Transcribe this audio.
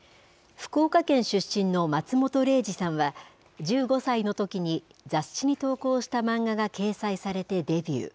福岡県出身の松本零士さんは、１５歳のときに雑誌に投稿した漫画が掲載されてデビュー。